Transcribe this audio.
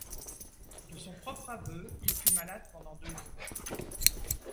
De son propre aveu, il fut malade pendant deux jours.